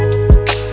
terima kasih ya allah